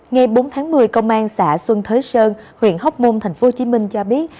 ngày bốn tháng một mươi công an xã xuân thới sơn huyện hóc môn tp hcm cho biết